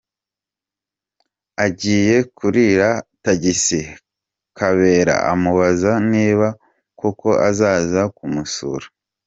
Agiye kurira tagisi, Kabera amubaza niba koko azaza kumusura .